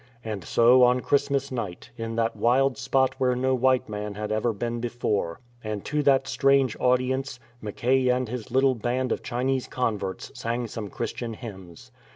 And so on Christmas night, in that wild spot where no white man had ever been before, and to that strange audience, Mackay and his little band of Chinese converts sang some Christian hymns.